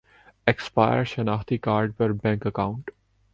expire شناختی card پر bank account